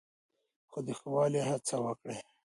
خو د ښه والي هڅه وکړئ.